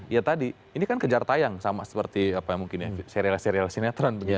ya tadi ini kan kejar tayang sama seperti apa mungkin ya serial serial sinetron